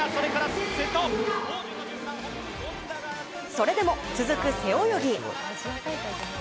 それでも続く背泳ぎ。